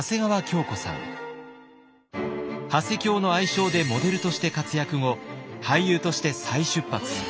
「ハセキョー」の愛称でモデルとして活躍後俳優として再出発。